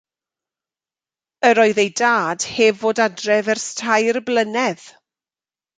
Yr oedd ei dad heb fod adref ers tair blynedd.